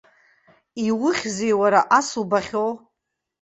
Иухьзеи уара, ас убахьоу?